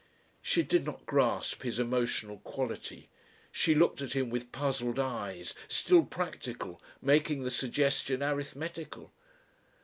She did not grasp his emotional quality. She looked at him with puzzled eyes still practical making the suggestion arithmetical.